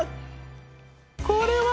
これは。